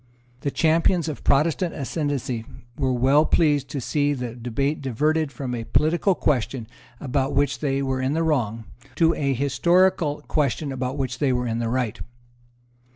The champions of Protestant ascendency were well pleased to see the debate diverted from a political question about which they were in the wrong, to a historical question about which they were in the right.